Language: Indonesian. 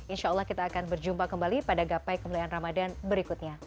insya allah kita akan berjumpa kembali pada gapai kemuliaan ramadan berikutnya